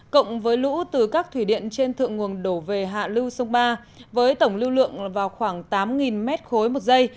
cộng với lũ từ các thủy điện trên thượng nguồn đổ về hạ lưu sông ba với tổng lưu lượng vào khoảng tám mét khối một giây